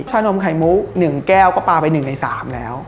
ชานมไข่มุก๑แก้วก็ปลาไป๑ใน๓แล้ว